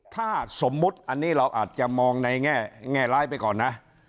ถ้าสมมุติอันนี้เราอาจจะมองในแง่ร้ายไปก่อนนะ